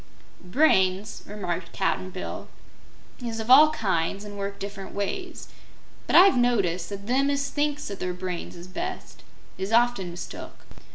"Brains," remarked Cap'n Bill, "is of all kinds and work different ways. But I've noticed that them as thinks that their brains is best is often mistook."